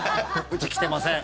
うち、来てません。